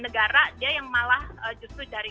negara dia yang malah justru dari